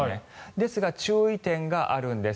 ですが、注意点があるんです。